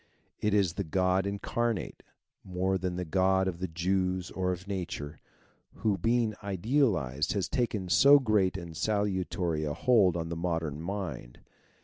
It is the God incarnate, more than the God of the Jews or of Nature, who being idealized has taken so great and salutary a hold on the modern mind.